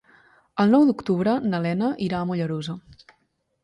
El nou d'octubre na Lena irà a Mollerussa.